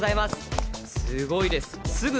すごいです。